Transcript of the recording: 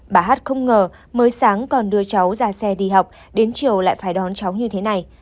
bà hát không ngờ mới sáng còn đưa cháu ra xe đi học đến chiều lại phải đón cháu như thế này